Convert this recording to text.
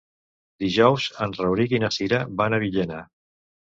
Dijous en Rauric i na Cira van a Villena.